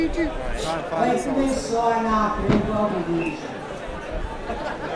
Ò incomensou à anâ apreuvo a-o buddiximo.